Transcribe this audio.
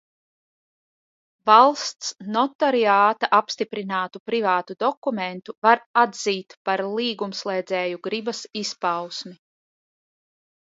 Valsts notariāta apstiprinātu privātu dokumentu var atzīt par līgumslēdzēju gribas izpausmi.